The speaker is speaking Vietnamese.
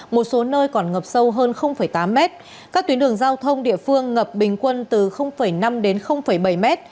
một số nơi còn ngập sâu hơn tám m các tuyến đường giao thông địa phương ngập bình quân từ năm m đến bảy m